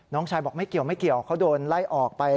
น้องชายบอกไม่เกี่ยวไม่เกี่ยวเขาโดนไล่ออกไป